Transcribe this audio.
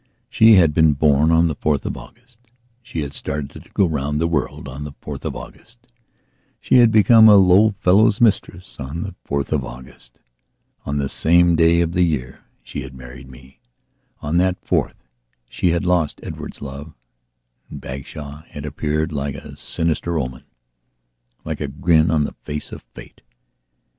She had been born on the 4th of August; she had started to go round the world on the 4th of August; she had become a low fellow's mistress on the 4th of August. On the same day of the year she had married me; on that 4th she had lost Edward's love, and Bagshawe had appeared like a sinister omenlike a grin on the face of Fate.